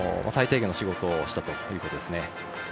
最低限の仕事をしたということですね。